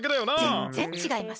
ぜんぜんちがいます。